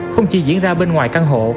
không chỉ diễn ra bên ngoài căn hộ